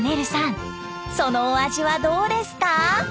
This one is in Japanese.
そのお味はどうですか？